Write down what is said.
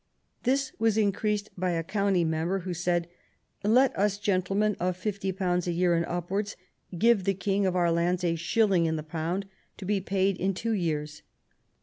This was increased by a county member, who said, "Let us gentlemen of £50 a year and upwards give the king of our lands a shilling in the pound, to be paid in two years."